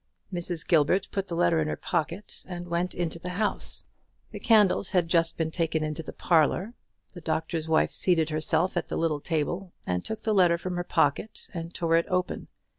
Mrs. Gilbert put the letter in her pocket, and went into the house. The candles had just been taken into the parlour. The Doctor's Wife seated herself at the little table, and took the letter from her pocket and tore it open.